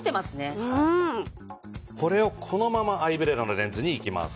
これをこのままアイブレラのレンズにいきます。